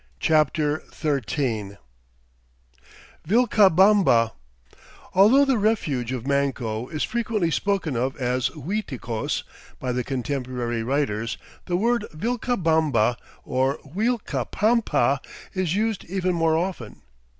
CHAPTER XIII Vilcabamba Although the refuge of Manco is frequently spoken of as Uiticos by the contemporary writers, the word Vilcabamba, or Uilcapampa, is used even more often.